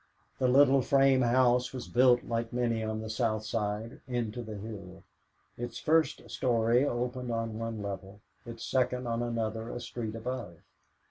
The little frame house was built like many on the South Side, into the hill; its first story opened on one level, its second on another a street above.